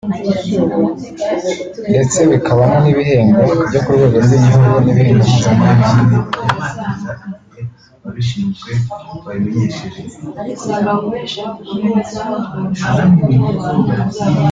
ndetse bikabamo n’ibihembo byo ku rwego rw’igihugu n’ibihembo mpuzamahanga